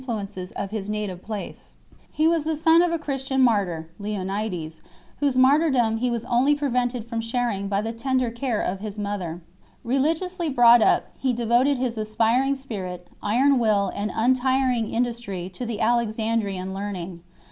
TTuences of his native place, Jge was the son of a Christian martyr, Leonides, whose martyrdom he was only prevented from sharing by the tender care of his mother. Religiously brought up, he devoted his aspiring spirit, iron will, and untiring industry to the Alexandrian learning.